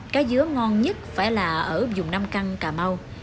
cá dứa ngon nhất phải là ở dùng nam căng cà mau